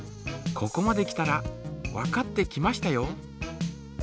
ここまで来たらわかってきましたよ。